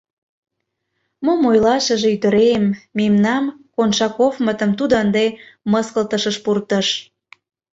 — Мом ойлашыже, ӱдырем... мемнам, Коншаковмытым, тудо ынде мыскылтышыш пуртыш.